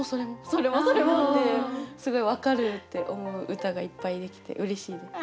それもそれも！ってすごい分かる！って思う歌がいっぱい出来てうれしいです。